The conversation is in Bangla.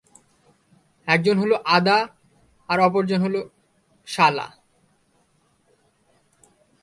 একজন হলো আদা আর অপর জন সালা।